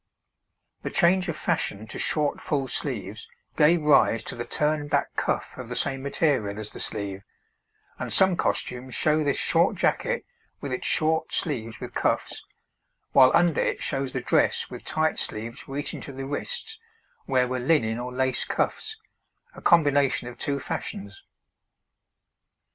The change of fashion to short full sleeves gave rise to the turned back cuff of the same material as the sleeve, and some costumes show this short jacket with its short sleeves with cuffs, while under it shows the dress with tight sleeves reaching to the wrists where were linen or lace cuffs, a combination of two fashions.